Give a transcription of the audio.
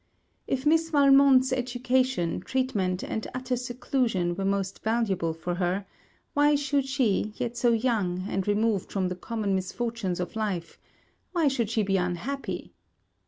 If Miss Valmont's education, treatment, and utter seclusion were most valuable for her, why should she, yet so young, and removed from the common misfortunes of life, why should she be unhappy.